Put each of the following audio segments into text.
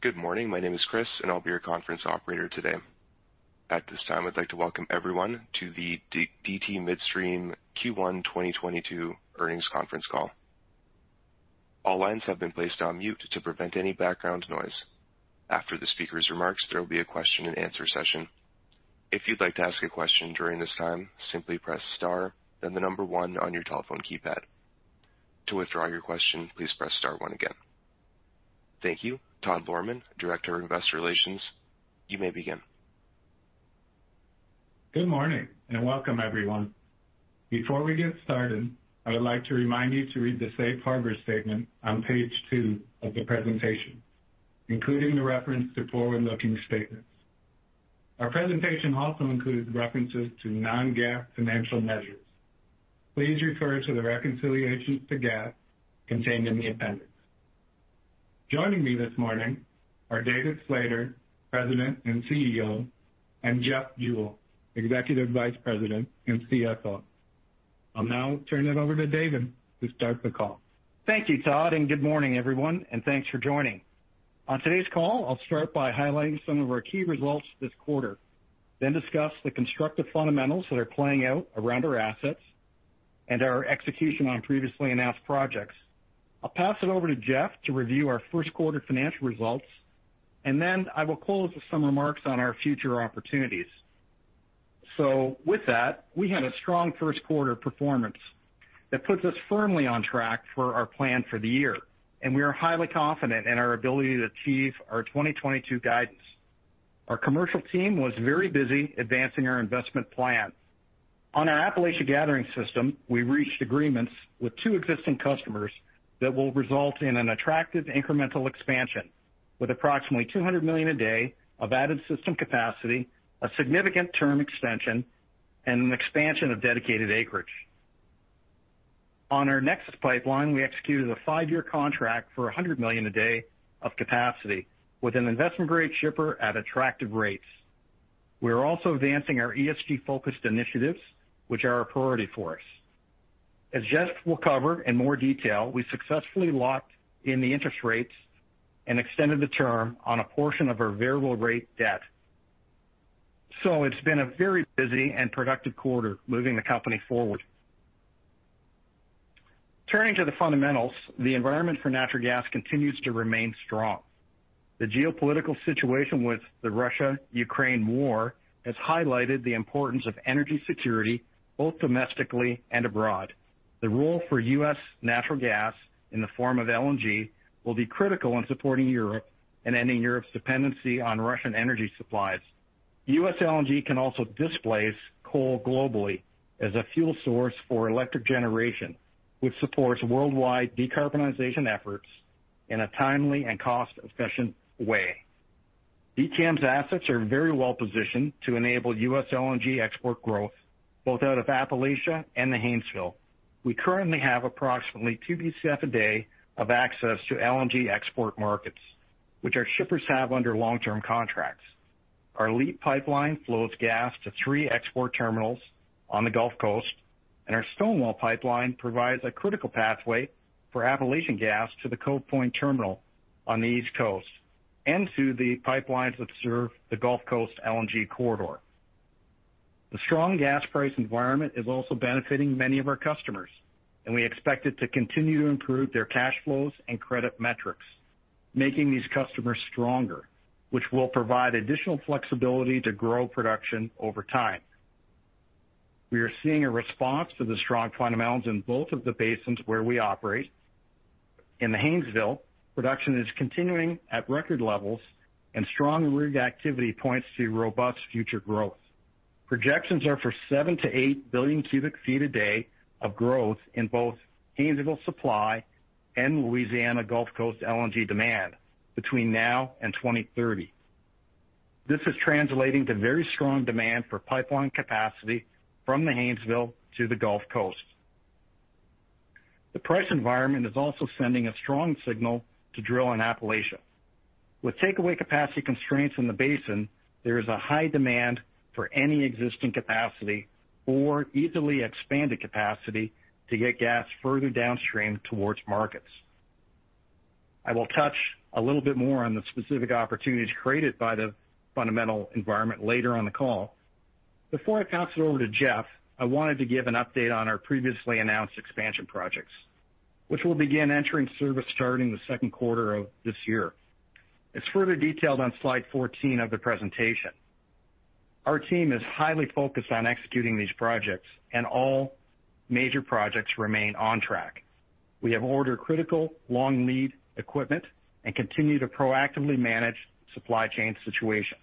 Good morning. My name is Chris, and I'll be your conference operator today. At this time, I'd like to welcome everyone to the DT Midstream Q1 2022 Earnings Conference Call. All lines have been placed on mute to prevent any background noise. After the speaker's remarks, there will be a question-and-answer session. If you'd like to ask a question during this time, simply press star, then the number one on your telephone keypad. To withdraw your question, please press star one again. Thank you. Todd Lohrmann, Director of Investor Relations, you may begin. Good morning, and welcome, everyone. Before we get started, I would like to remind you to read the safe harbor statement on page two of the presentation, including the reference to forward-looking statements. Our presentation also includes references to non-GAAP financial measures. Please refer to the reconciliations to GAAP contained in the appendix. Joining me this morning are David Slater, President and CEO, and Jeff Jewell, Executive Vice President and CFO. I'll now turn it over to David to start the call. Thank you, Todd, and good morning, everyone, and thanks for joining. On today's call, I'll start by highlighting some of our key results this quarter, then discuss the constructive fundamentals that are playing out around our assets and our execution on previously announced projects. I'll pass it over to Jeff to review our Q1 financial results, and then I will close with some remarks on our future opportunities. With that, we had a strong Q1 performance that puts us firmly on track for our plan for the year, and we are highly confident in our ability to achieve our 2022 guidance. Our commercial team was very busy advancing our investment plans. On our Appalachia Gathering System, we reached agreements with two existing customers that will result in an attractive incremental expansion with approximately 200 million a day of added system capacity, a significant term extension, and an expansion of dedicated acreage. On our NEXUS pipeline, we executed a five-year contract for 100 million a day of capacity with an investment-grade shipper at attractive rates. We are also advancing our ESG-focused initiatives, which are a priority for us. As Jeff will cover in more detail, we successfully locked in the interest rates and extended the term on a portion of our variable rate debt. It's been a very busy and productive quarter moving the company forward. Turning to the fundamentals, the environment for natural gas continues to remain strong. The geopolitical situation with the Russia-Ukraine war has highlighted the importance of energy security both domestically and abroad. The role for U.S. natural gas in the form of LNG will be critical in supporting Europe and ending Europe's dependency on Russian energy supplies. U.S. LNG can also displace coal globally as a fuel source for electric generation, which supports worldwide decarbonization efforts in a timely and cost-efficient way. DTM's assets are very well-positioned to enable U.S. LNG export growth both out of Appalachia and the Haynesville. We currently have approximately 2 Bcf a day of access to LNG export markets, which our shippers have under long-term contracts. Our LEAP pipeline flows gas to three export terminals on the Gulf Coast, and our Stonewall pipeline provides a critical pathway for Appalachian gas to the Cove Point Terminal on the East Coast and to the pipelines that serve the Gulf Coast LNG corridor. The strong gas price environment is also benefiting many of our customers, and we expect it to continue to improve their cash flows and credit metrics, making these customers stronger, which will provide additional flexibility to grow production over time. We are seeing a response to the strong fundamentals in both of the basins where we operate. In the Haynesville, production is continuing at record levels and strong rig activity points to robust future growth. Projections are for 7-8 billion cubic feet a day of growth in both Haynesville supply and Louisiana Gulf Coast LNG demand between now and 2030. This is translating to very strong demand for pipeline capacity from the Haynesville to the Gulf Coast. The price environment is also sending a strong signal to drill in Appalachia. With takeaway capacity constraints in the basin, there is a high demand for any existing capacity or easily expanded capacity to get gas further downstream towards markets. I will touch a little bit more on the specific opportunities created by the fundamental environment later on the call. Before I pass it over to Jeff, I wanted to give an update on our previously announced expansion projects, which will begin entering service starting the Q2 of this year. It's further detailed on slide 14 of the presentation. Our team is highly focused on executing these projects, and all major projects remain on track. We have ordered critical long-lead equipment and continue to proactively manage supply chain situations.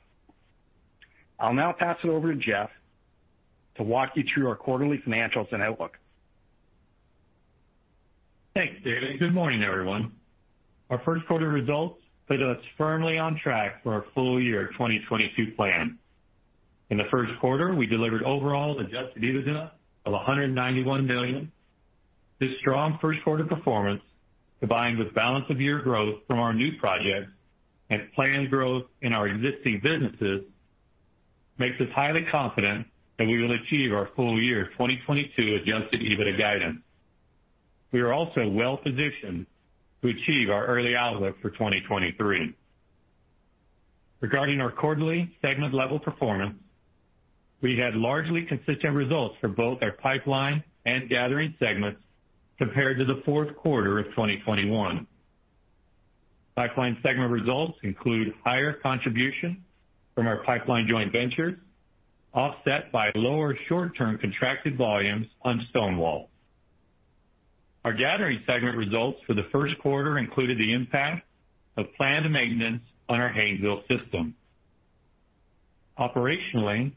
I'll now pass it over to Jeff, to walk you through our quarterly financials and outlook. Thanks, David. Good morning, everyone. Our Q1results put us firmly on track for our full year 2022 plan. In the Q1, we delivered overall adjusted EBITDA of $191 million. This strong Q1 performance, combined with balance of year growth from our new projects and planned growth in our existing businesses, makes us highly confident that we will achieve our full year 2022 adjusted EBITDA guidance. We are also well-positioned to achieve our early outlook for 2023. Regarding our quarterly segment level performance, we had largely consistent results for both our pipeline and gathering segments compared to the Q4 of 2021. Pipeline segment results include higher contribution from our pipeline joint ventures, offset by lower short-term contracted volumes on Stonewall. Our gathering segment results for the Q1 included the impact of planned maintenance on our Haynesville system. Operationally,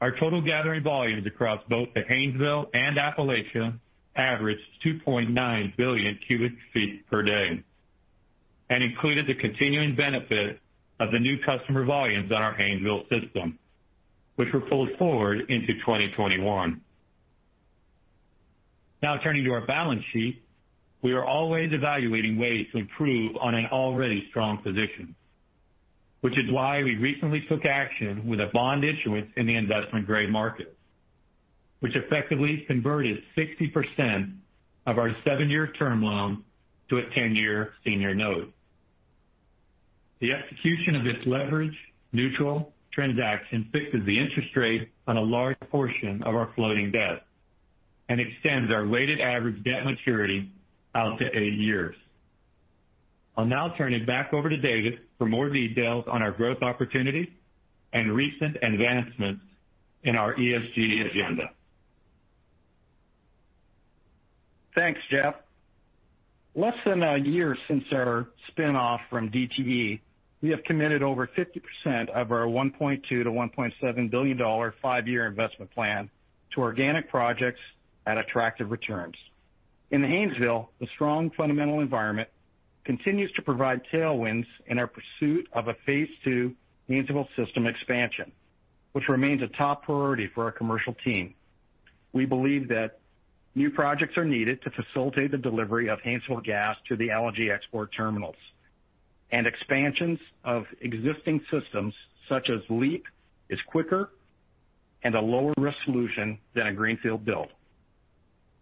our total gathering volumes across both the Haynesville and Appalachia averaged 2.9 billion cubic feet per day, and included the continuing benefit of the new customer volumes on our Haynesville system, which were pulled forward into 2021. Now turning to our balance sheet. We are always evaluating ways to improve on an already strong position, which is why we recently took action with a bond issuance in the investment-grade markets, which effectively converted 60% of our seven-year term loan to a 10-year senior note. The execution of this leverage neutral transaction fixes the interest rate on a large portion of our floating debt and extends our weighted average debt maturity out to eight years. I'll now turn it back over to David for more details on our growth opportunities and recent advancements in our ESG agenda. Thanks, Jeff. Less than a year since our spin-off from DTE, we have committed over 50% of our $1.2 billion-$1.7 billion five-year investment plan to organic projects at attractive returns. In Haynesville, the strong fundamental environment continues to provide tailwinds in our pursuit of a phase II Haynesville system expansion, which remains a top priority for our commercial team. We believe that new projects are needed to facilitate the delivery of Haynesville gas to the LNG export terminals and expansions of existing systems such as LEAP, is quicker and a lower-risk solution than a greenfield build.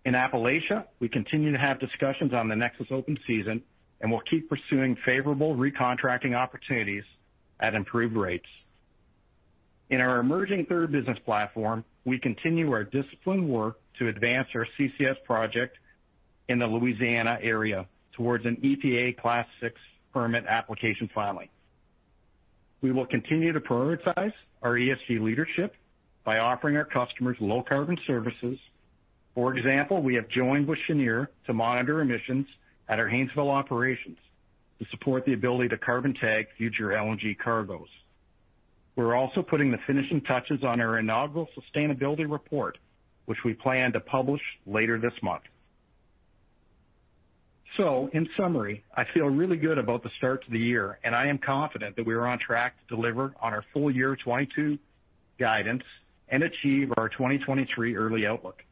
In Appalachia, we continue to have discussions on the NEXUS open season, and we'll keep pursuing favorable recontracting opportunities at improved rates. In our emerging third business platform, we continue our disciplined work to advance our CCS project in the Louisiana area towards an EPA Class VI permit application filing. We will continue to prioritize our ESG leadership by offering our customers low carbon services. For example, we have joined with Cheniere to monitor emissions at our Haynesville operations to support the ability to carbon tag future LNG cargoes. We're also putting the finishing touches on our inaugural sustainability report, which we plan to publish later this month. In summary, I feel really good about the start to the year, and I am confident that we are on track to deliver on our full year 2022 guidance and achieve our 2023 early outlook.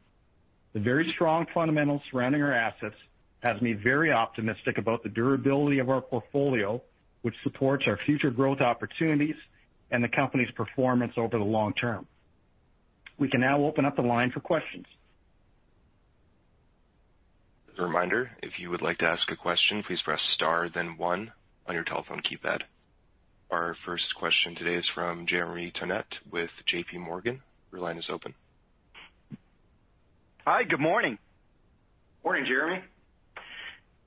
The very strong fundamentals surrounding our assets has me very optimistic about the durability of our portfolio, which supports our future growth opportunities and the company's performance over the long term. We can now open up the line for questions. As a reminder, if you would like to ask a question, please press star then one on your telephone keypad. Our first question today is from Jeremy Tonet with JP Morgan. Your line is open. Hi. Good morning. Morning, Jeremy.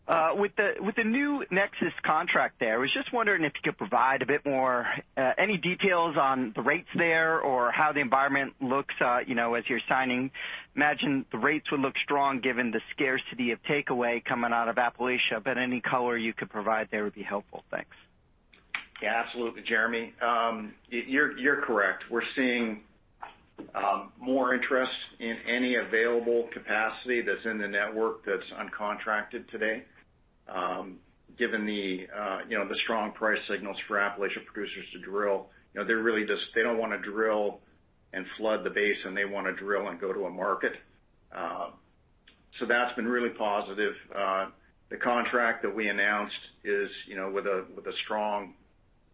With the new NEXUS contract there, I was just wondering if you could provide a bit more, any details on the rates there or how the environment looks, you know, as you're signing, margin rates would look strong given the scarcity of takeaway coming out of Appalachia, but any color you could provide there would be helpful. Thanks. Yeah, absolutely, Jeremy. You're correct. We're seeing more interest in any available capacity that's in the network that's uncontracted today. Given the, you know, the strong price signals for Appalachia producers to drill, you know, they're really just. They don't want to drill and flood the basin. They want to drill and go to a market. That's been really positive. The contract that we announced is, you know, with a strong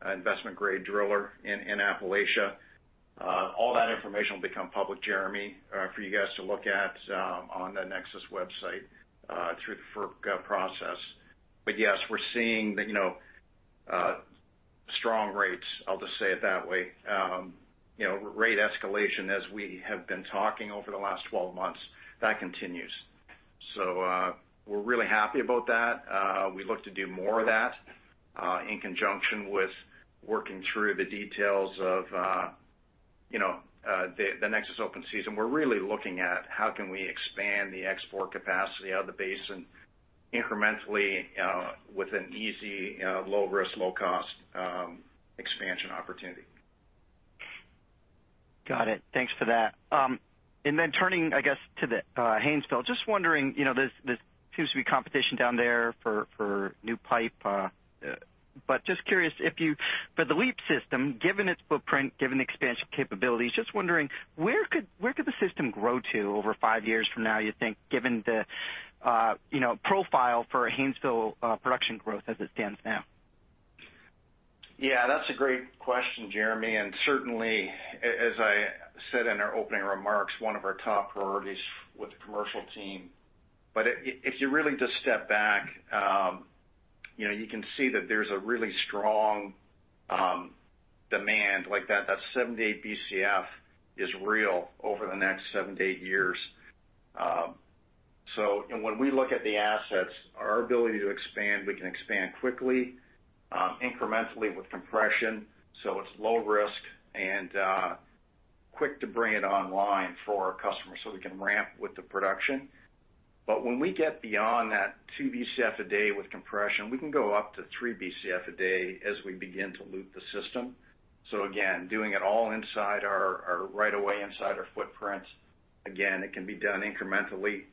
investment-grade driller in Appalachia. All that information will become public, Jeremy, for you guys to look at, on the NEXUS website, through the FERC process. Yes, we're seeing the, you know, strong rates, I'll just say it that way. You know, rate escalation, as we have been talking over the last 12 months, that continues. We're really happy about that. We look to do more of that in conjunction with working through the details of, you know, the NEXUS open season. We're really looking at how can we expand the export capacity out of the basin incrementally with an easy, low risk, low cost expansion opportunity. Got it. Thanks for that. Turning, I guess, to the Haynesville. Just wondering, you know, there seems to be competition down there for new pipe. Just curious. For the LEAP system, given its footprint, given the expansion capabilities, just wondering where the system could grow to over five years from now, you think, given the, you know, profile for Haynesville production growth as it stands now? Yeah, that's a great question, Jeremy. Certainly, as I said in our opening remarks, one of our top priorities with the commercial team. If you really just step back, you know, you can see that there's a really strong demand like that 78 Bcf is real over the next 7-8 years. When we look at the assets, our ability to expand, we can expand quickly, incrementally with compression, so it's low risk and quick to bring it online for our customers so we can ramp with the production. When we get beyond that 2 Bcf a day with compression, we can go up to 3 Bcf a day as we begin to loop the system. Again, doing it all inside our right of way inside our footprint. Again, it can be done incrementally,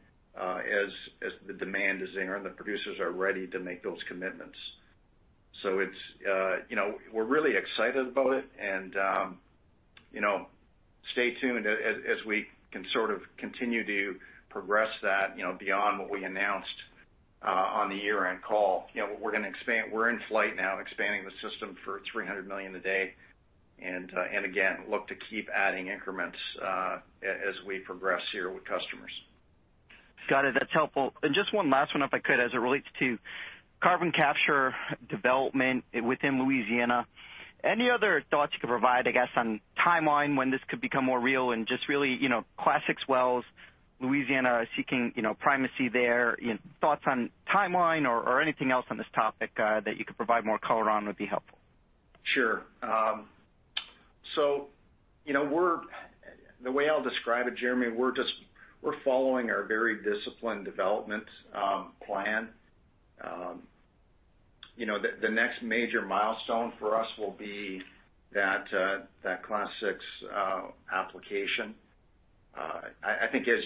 as the demand is there and the producers are ready to make those commitments. It's, you know, we're really excited about it, and, you know, stay tuned as we can sort of continue to progress that, you know, beyond what we announced on the year-end call. You know, we're in flight now, expanding the system for 300 million a day, and again, look to keep adding increments, as we progress here with customers. Got it. That's helpful. Just one last one, if I could, as it relates to carbon capture development within Louisiana. Any other thoughts you could provide, I guess, on timeline when this could become more real and just really, you know, Class VI wells, Louisiana seeking, you know, primacy there. Thoughts on timeline or anything else on this topic that you could provide more color on would be helpful. Sure. You know, the way I'll describe it, Jeremy, we're following our very disciplined development plan. You know, the next major milestone for us will be that Class VI application. I think as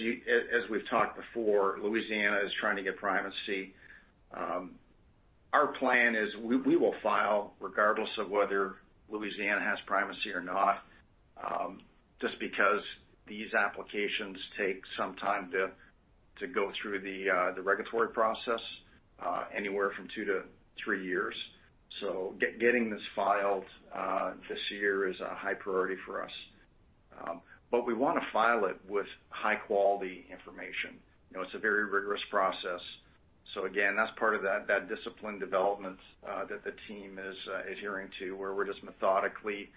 we've talked before, Louisiana is trying to get primacy. Our plan is we will file regardless of whether Louisiana has primacy or not, just because these applications take some time to go through the regulatory process, anywhere from two to three years. Getting this filed this year is a high priority for us. We want to file it with high-quality information. You know, it's a very rigorous process. Again, that's part of that disciplined development that the team is adhering to, where we're just methodically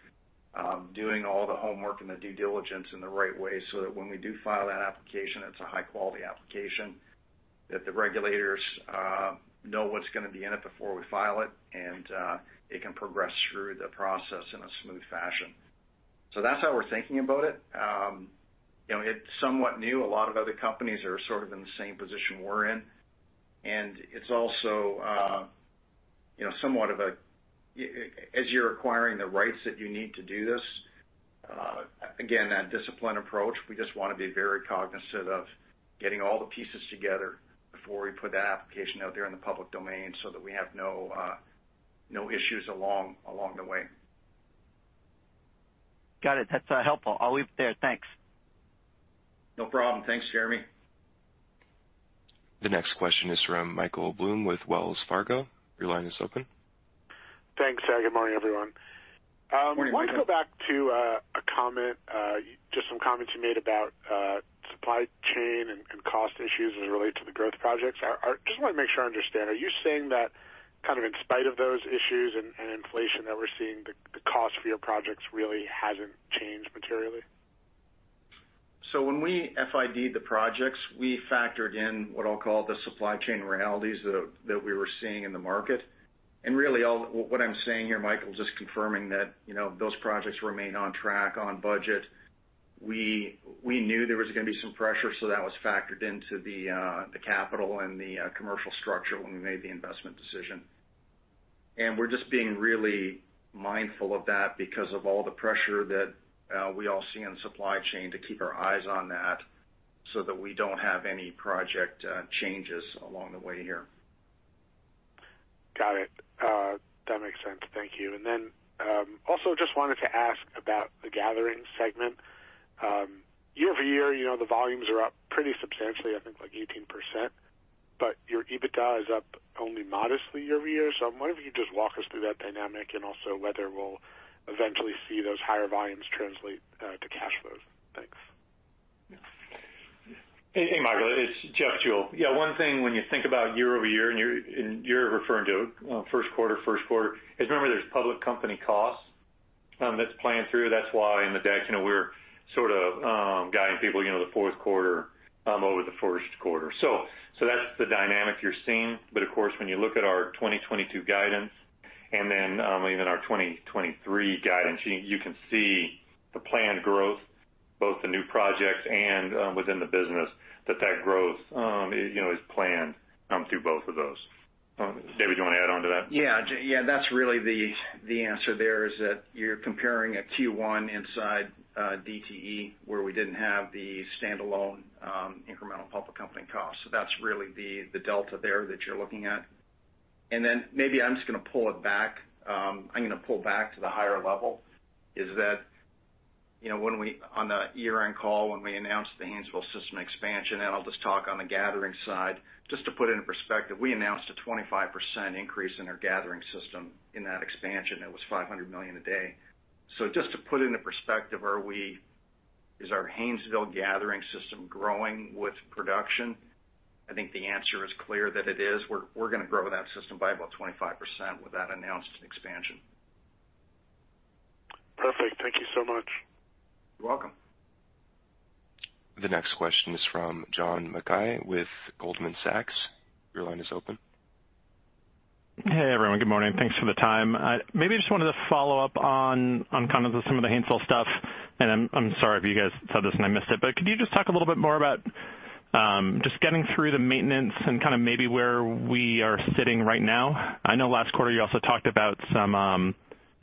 doing all the homework and the due diligence in the right way so that when we do file that application, it's a high-quality application, that the regulators know what's going to be in it before we file it, and it can progress through the process in a smooth fashion. That's how we're thinking about it. You know, it's somewhat new. A lot of other companies are sort of in the same position we're in, and it's also, you know, somewhat of, as you're acquiring the rights that you need to do this, again, that disciplined approach. We just want to be very cognizant of getting all the pieces together before we put that application out there in the public domain so that we have no issues along the way. Got it. That's helpful. I'll leave it there. Thanks. No problem. Thanks, Jeremy. The next question is from Michael Blum with Wells Fargo. Your line is open. Thanks. Good morning, everyone. Morning, Michael. Wanted to go back to a comment, just some comments you made about supply chain and cost issues as it relate to the growth projects. Just want to make sure I understand. Are you saying that kind of in spite of those issues and inflation that we're seeing, the cost for your projects really hasn't changed materially? When we FID the projects, we factored in what I'll call the supply chain realities that we were seeing in the market. Really what I'm saying here, Michael, is just confirming that, you know, those projects remain on track, on budget. We knew there was going to be some pressure, so that was factored into the capital and the commercial structure when we made the investment decision. We're just being really mindful of that because of all the pressure that we all see in supply chain to keep our eyes on that so that we don't have any project changes along the way here. Got it. That makes sense. Thank you. Also just wanted to ask about the gathering segment. Year-over-year, you know, the volumes are up pretty substantially, I think like 18%, but your EBITDA is up only modestly year-over-year. I'm wondering if you could just walk us through that dynamic and also whether we'll eventually see those higher volumes translate to cash flow. Thanks. Hey, Michael, it's Jeff Jewell. Yeah, one thing when you think about year-over-year and you're referring to Q1 is remember there's public company costs, that's playing through. That's why in the decks, you know, we're sort of guiding people, you know, the Q4 over the Q1. That's the dynamic you're seeing. But of course, when you look at our 2022 guidance, and then even our 2023 guidance, you can see the planned growth, both the new projects and within the business, that growth, you know, is planned through both of those. David, do you want to add on to that? Yeah. Yeah, that's really the answer there, is that you're comparing a Q1 inside DTE, where we didn't have the standalone incremental public company costs. So that's really the delta there that you're looking at. Then maybe I'm just going to pull it back. I'm going to pull back to the higher level. You know, on the year-end call, when we announced the Haynesville system expansion, and I'll just talk on the gathering side, just to put it in perspective, we announced a 25% increase in our gathering system in that expansion. It was 500 million a day. So just to put into perspective, is our Haynesville gathering system growing with production? I think the answer is clear that it is. We're going to grow that system by about 25% with that announced expansion. Perfect. Thank you so much. You're welcome. The next question is from John Mackay with Goldman Sachs. Your line is open. Hey, everyone. Good morning. Thanks for the time. Maybe just wanted to follow up on kind of some of the Haynesville stuff, and I'm sorry if you guys said this and I missed it, but could you just talk a little bit more about just getting through the maintenance and kind of maybe where we are sitting right now? I know last quarter you also talked about some,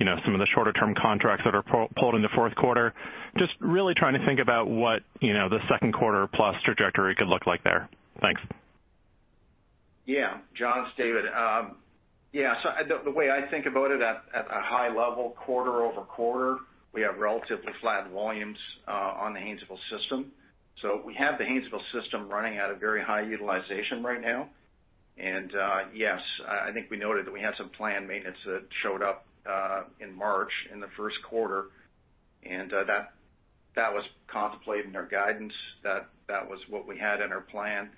you know, some of the shorter-term contracts that are pulled into Q4. Just really trying to think about what, you know, the Q2 plus trajectory could look like there. Thanks. Yeah. John, it's David. The way I think about it at a high level, quarter-over-quarter, we have relatively flat volumes on the Haynesville system. We have the Haynesville system running at a very high utilization right now. Yes, I think we noted that we had some planned maintenance that showed up in March in the Q1, and that was contemplated in our guidance. That was what we had in our plan.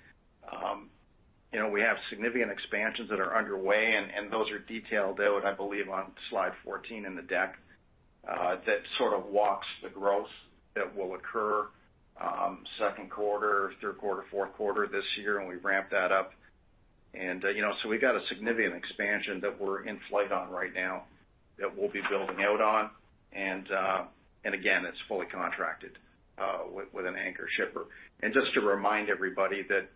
We have significant expansions that are underway, and those are detailed out, I believe, on slide 14 in the deck that sort of walks the growth that will occur Q2, Q3, Q4 this year when we ramp that up. You know, we've got a significant expansion that we're in flight on right now that we'll be building out on. And again, it's fully contracted with an anchor shipper. Just to remind everybody that,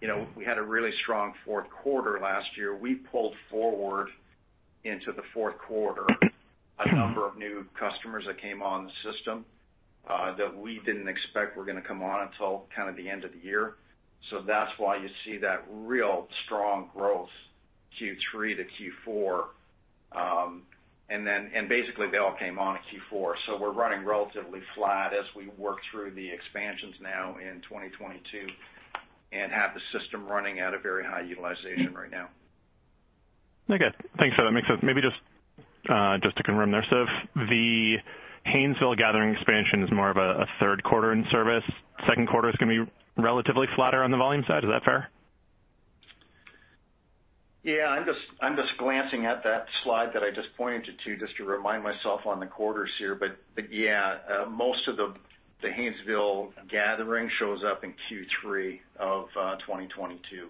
you know, we had a really strong Q4 last year. We pulled forward into the Q4. A number of new customers that came on the system that we didn't expect were going to come on until kind of the end of the year. That's why you see that real strong growth Q3 to Q4. And then, basically, they all came on in Q4. We're running relatively flat as we work through the expansions now in 2022, and have the system running at a very high utilization right now. Okay. Thanks. That makes sense. Maybe just to confirm if the Haynesville gathering expansion is more of a Q3 in service, Q2 is going to be relatively flatter on the volume side, is that fair? Yeah. I'm just glancing at that slide that I just pointed to, just to remind myself on the quarters here, but yeah. Most of the Haynesville gathering shows up in Q3 of 2022.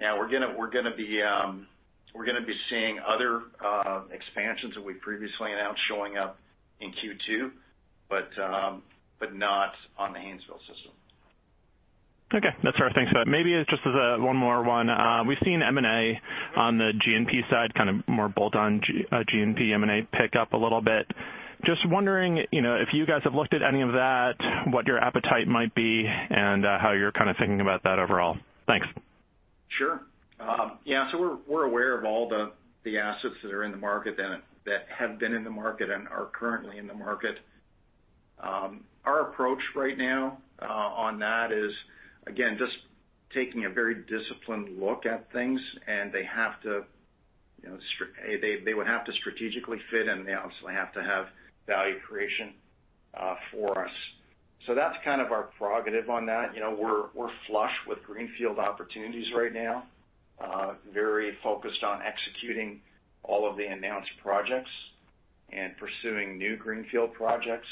Now we're going to be seeing other expansions that we previously announced showing up in Q2, but not on the Haynesville system. Okay. That's fair. Thanks for that. Maybe just as a one more. We've seen M&A on the G&P side, kind of more bolt-on G&P M&A pick up a little bit. Just wondering, you know, if you guys have looked at any of that, what your appetite might be, and how you're kind of thinking about that overall. Thanks. Sure. Yeah, so we're aware of all the assets that are in the market and that have been in the market and are currently in the market. Our approach right now on that is again, just taking a very disciplined look at things, and they have to, you know, they would have to strategically fit and they obviously have to have value creation for us. So that's kind of our prerogative on that. You know, we're flush with greenfield opportunities right now, very focused on executing all of the announced projects and pursuing new greenfield projects.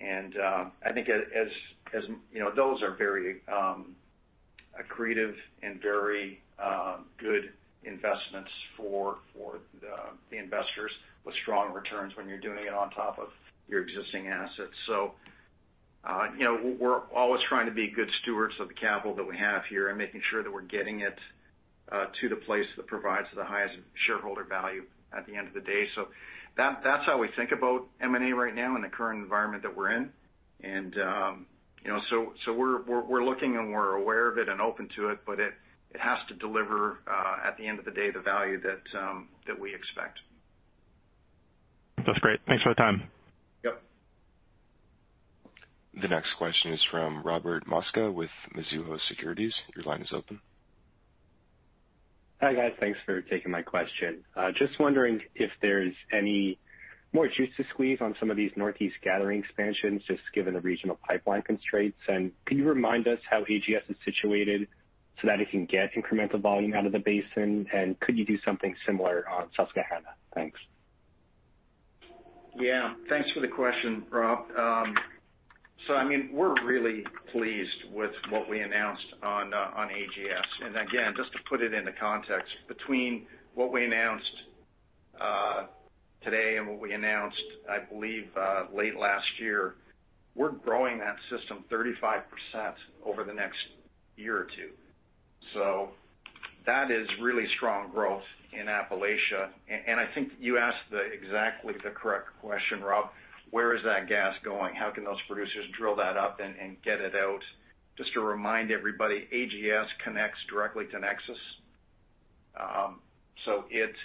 I think as you know, those are very accretive and very good investments for the investors with strong returns when you're doing it on top of your existing assets. You know, we're always trying to be good stewards of the capital that we have here and making sure that we're getting it to the place that provides the highest shareholder value at the end of the day. That's how we think about M&A right now in the current environment that we're in. You know, we're looking and we're aware of it and open to it, but it has to deliver at the end of the day the value that we expect. That's great. Thanks for the time. Yep. The next question is from Robert Mosca with Mizuho Securities. Your line is open. Hi, guys. Thanks for taking my question. Just wondering if there's any more juice to squeeze on some of these Northeast gathering expansions, just given the regional pipeline constraints. Could you remind us how AGS is situated so that it can get incremental volume out of the basin? Could you do something similar on Susquehanna? Thanks. Yeah. Thanks for the question, Rob. So I mean, we're really pleased with what we announced on AGS. Again, just to put it into context, between what we announced today and what we announced, I believe, late last year, we're growing that system 35% over the next year or two. That is really strong growth in Appalachia. I think you asked exactly the correct question, Rob. Where is that gas going? How can those producers drill that up and get it out? Just to remind everybody, AGS connects directly to Nexus, so it's.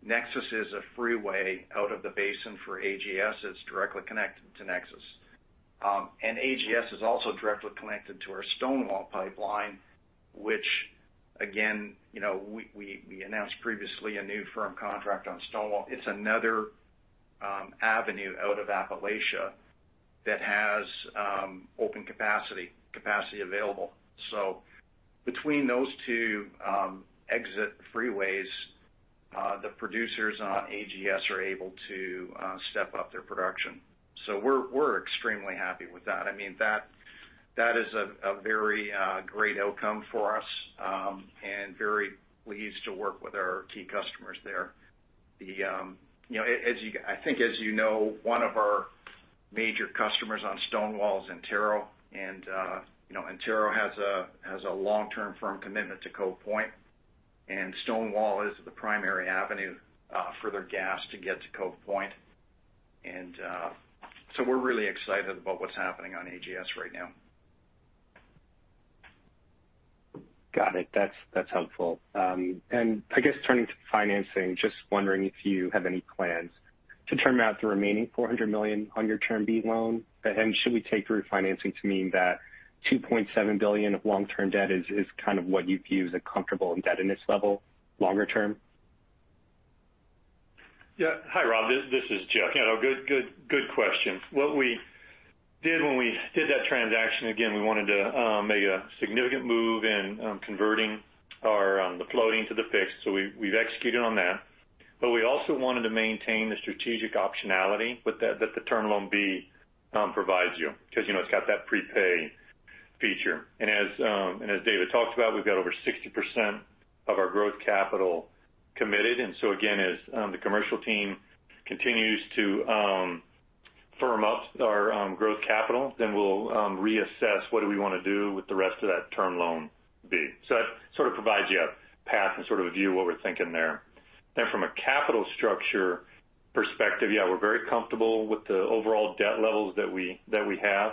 Nexus is a freeway out of the basin for AGS. It's directly connected to Nexus. AGS is also directly connected to our Stonewall pipeline, which again, you know, we announced previously a new firm contract on Stonewall. It's another avenue out of Appalachia that has open capacity available. Between those two exit freeways, the producers on AGS are able to step up their production. We're extremely happy with that. I mean, that is a very great outcome for us and very pleased to work with our key customers there. You know, I think as you know, one of our major customers on Stonewall is Antero. You know, Antero has a long-term firm commitment to Cove Point, and Stonewall is the primary avenue for their gas to get to Cove Point. We're really excited about what's happening on AGS right now. Got it. That's helpful. I guess turning to financing, just wondering if you have any plans to term out the remaining $400 million on your Term Loan B? Should we take refinancing to mean that $2.7 billion of long-term debt is kind of what you view as a comfortable indebtedness level longer term? Yeah. Hi, Rob. This is Jeff. You know, good question. What we did when we did that transaction, again, we wanted to make a significant move in converting the floating to the fixed. We've executed on that. But we also wanted to maintain the strategic optionality with that the Term Loan B provides you because, you know, it's got that prepay feature. As David talked about, we've got over 60% of our growth capital committed. Again, as the commercial team continues to firm up our growth capital, then we'll reassess what do we want to do with the rest of that Term Loan B. That sort of provides you a path and sort of a view of what we're thinking there. From a capital structure perspective, yeah, we're very comfortable with the overall debt levels that we have,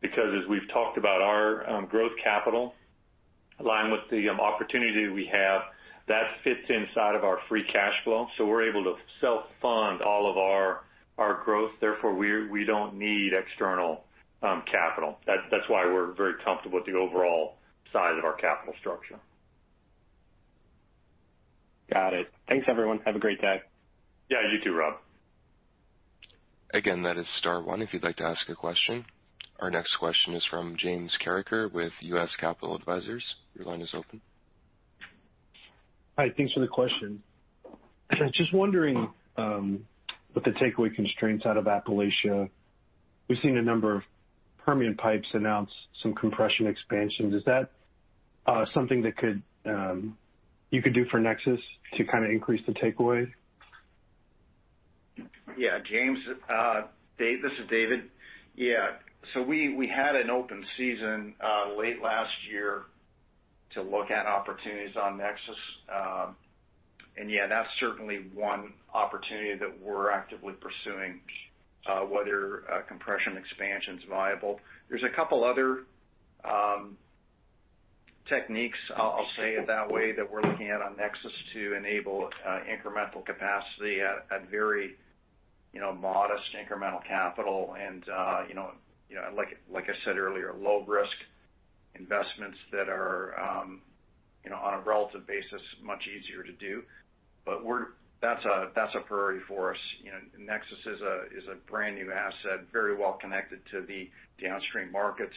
because as we've talked about our growth capital aligned with the opportunity we have, that fits inside of our free cash flow. We're able to self-fund all of our growth, therefore we don't need external capital. That's why we're very comfortable with the overall size of our capital structure. Got it. Thanks, everyone. Have a great day. Yeah, you too, Rob. Again, that is star one if you'd like to ask a question. Our next question is from James Carreker with U.S. Capital Advisors. Your line is open. Hi. Thanks for the question. I was just wondering, with the takeaway constraints out of Appalachia, we've seen a number of Permian pipes announce some compression expansions. Is that, something that you could do for Nexus to kind of increase the takeaway? Yeah, James, Dave, this is David. Yeah. We had an open season late last year to look at opportunities on NEXUS. That's certainly one opportunity that we're actively pursuing, whether a compression expansion's viable. There's a couple other techniques, I'll say it that way, that we're looking at on NEXUS to enable incremental capacity at very, you know, modest incremental capital and you know like I said earlier, low risk investments that are you know on a relative basis, much easier to do. That's a priority for us. You know, NEXUS is a brand new asset, very well connected to the downstream markets.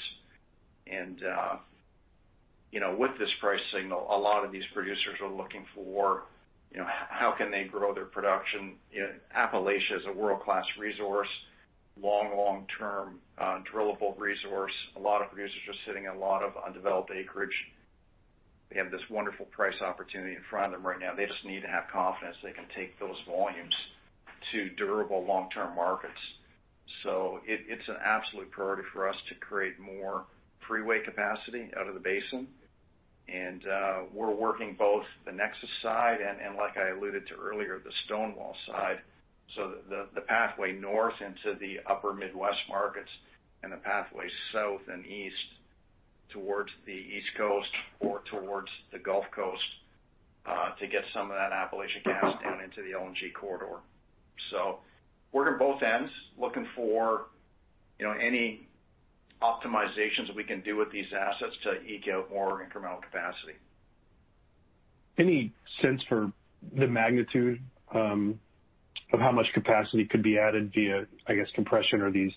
You know, with this price signal, a lot of these producers are looking for, you know, how can they grow their production. You know, Appalachia is a world-class resource, long-term drillable resource. A lot of producers are sitting in a lot of undeveloped acreage. They have this wonderful price opportunity in front of them right now. They just need to have confidence they can take those volumes to durable long-term markets. It's an absolute priority for us to create more takeaway capacity out of the basin. We're working both the NEXUS side and like I alluded to earlier, the Stonewall side. The pathway north into the upper Midwest markets and the pathway south and east towards the East Coast or towards the Gulf Coast to get some of that Appalachia gas down into the LNG corridor. Working both ends, looking for, you know, any optimizations we can do with these assets to eke out more incremental capacity. Any sense for the magnitude of how much capacity could be added via, I guess, compression or these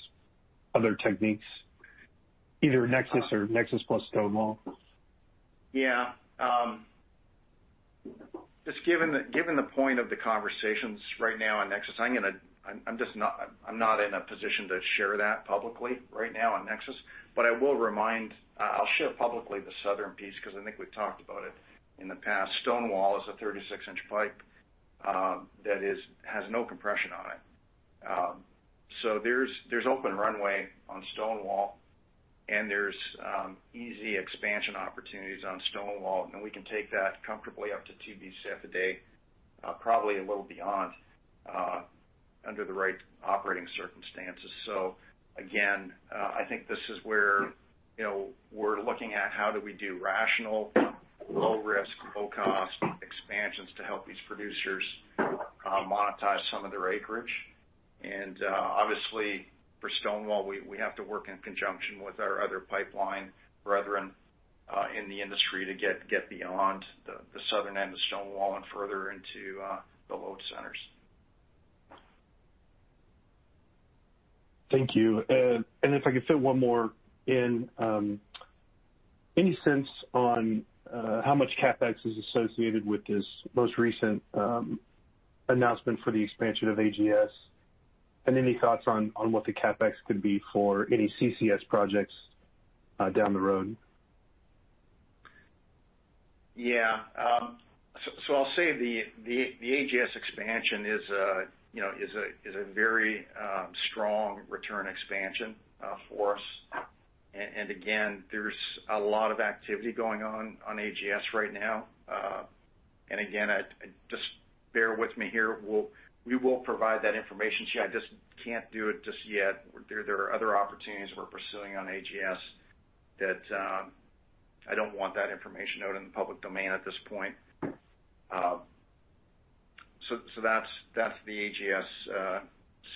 other techniques, either NEXUS or NEXUS plus Stonewall? Yeah. Just given the point of the conversations right now on NEXUS, I'm just not in a position to share that publicly right now on NEXUS. I will remind, I'll share publicly the southern piece because I think we've talked about it in the past. Stonewall is a 36-inch pipe that has no compression on it. So there's open runway on Stonewall, and there's easy expansion opportunities on Stonewall, and we can take that comfortably up to 2 Bcf a day, probably a little beyond, under the right operating circumstances. Again, I think this is where, you know, we're looking at how do we do rational, low-risk, low-cost expansions to help these producers monetize some of their acreage. Obviously for Stonewall, we have to work in conjunction with our other pipeline brethren in the industry to get beyond the southern end of Stonewall and further into the load centers. Thank you. If I could fit one more in, any sense on how much CapEx is associated with this most recent announcement for the expansion of AGS? Any thoughts on what the CapEx could be for any CCS projects down the road? Yeah. I'll say the AGS expansion is, you know, a very strong return expansion for us. Again, there's a lot of activity going on on AGS right now. Again, just bear with me here. We will provide that information to you. I just can't do it just yet. There are other opportunities we're pursuing on AGS that I don't want that information out in the public domain at this point. That's the AGS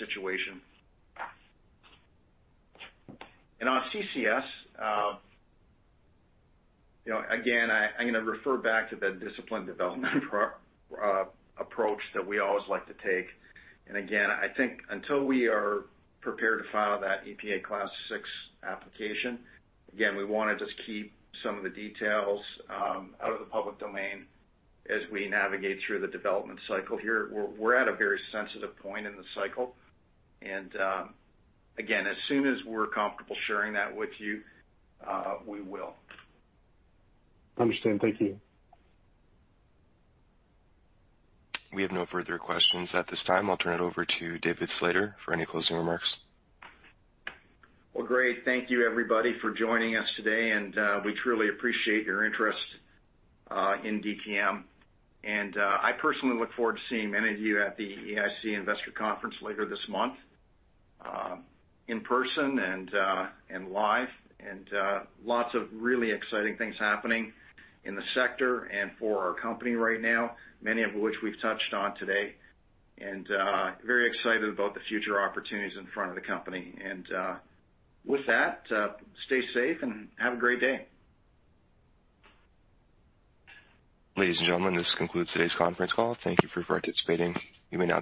situation. On CCS, you know, again, I'm going to refer back to the disciplined development approach that we always like to take. Again, I think until we are prepared to file that EPA Class VI application, again, we want to just keep some of the details out of the public domain as we navigate through the development cycle here. We're at a very sensitive point in the cycle, and again, as soon as we're comfortable sharing that with you, we will. Understand. Thank you. We have no further questions at this time. I'll turn it over to David Slater for any closing remarks. Well, great. Thank you everybody for joining us today, and we truly appreciate your interest in DTM. I personally look forward to seeing many of you at the EIC Investor Conference later this month, in person and live, and lots of really exciting things happening in the sector and for our company right now, many of which we've touched on today. Very excited about the future opportunities in front of the company. With that, stay safe and have a great day. Ladies and gentlemen, this concludes today's conference call. Thank you for participating. You may